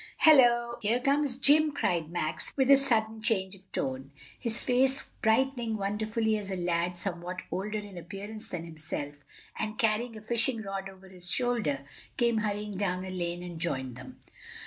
"Hello! here comes Jim!" cried Max with a sudden change of tone, his face brightening wonderfully as a lad somewhat older in appearance than himself, and carrying a fishing rod over his shoulder, came hurrying down a lane and joined them.